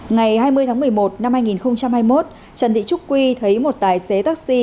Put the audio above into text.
ngày hai mươi tháng một mươi một năm hai nghìn hai mươi một trần thị trúc quy thấy một tài xế taxi